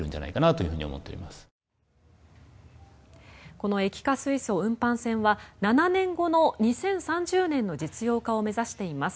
この液化水素運搬船は７年後の２０３０年の実用化を目指しています。